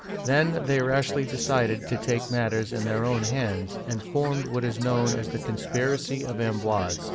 Then they rashly decided to take matters in their own hands, and formed what is known as the " Conspiracy of Chateau of Amboise.